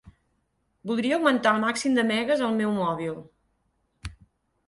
Voldria augmentar el màxim de megues al meu mòbil.